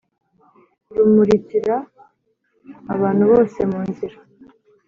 rumurukira abantu bose mu nzira